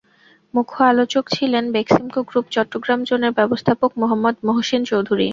মুখ্য আলোচক ছিলেন বেক্সিমকো গ্রুপ চট্টগ্রাম জোনের ব্যবস্থাপক মুহাম্মদ মহসীন চৌধুরী।